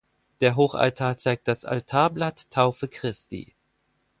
Der Hochaltar zeigt das Altarblatt Taufe Christi.